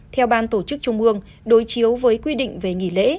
theo ban tổ chức trung ương đối chiếu với quy định về nghỉ lễ